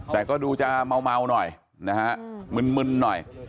แต่ก็ดูจะเมาหน่อยนะฮะมึนหน่อย